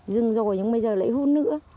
dừng rồi nhưng bây giờ lại hút nữa